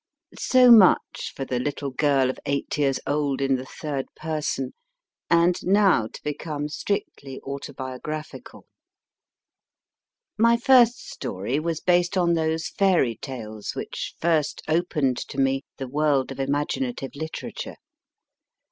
So much for the little girl of eight years old, in the third person, and now to become strictly autobiographical. My first story was based on those fairy tales which first opened to me the world of imaginative literature.